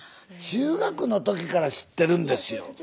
中学の時から知ってるんですよ。